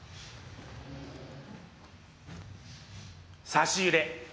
差し入れ。